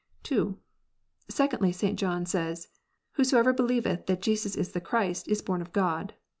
(2) Secondly, St. John says, " whosoever believeth that Jesus is the Christ, is born of God."